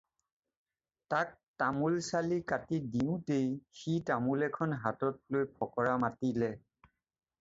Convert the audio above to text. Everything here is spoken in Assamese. তাক তামোল-চালি কাটি দিওঁতেই সি তামোল এখন হাতত লৈ ফকৰা মাতিলে।